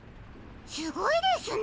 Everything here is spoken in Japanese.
すごいですね！